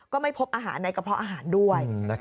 ก็ไม่พบอาหารในกระเพาะอาหารด้วย